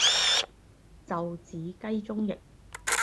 袖子雞中翼